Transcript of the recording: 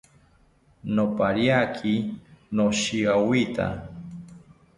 Nopariaki noshiawita